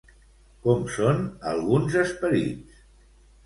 Com són alguns esperits?